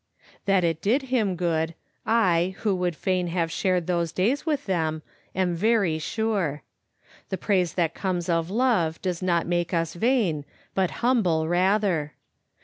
" That it did him good I, who would fain have shared those days with them, am very sure. The praise that comes of love does not make us vain, but humble rather.